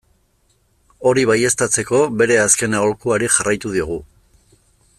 Hori baieztatzeko, bere azken aholkuari jarraitu diogu.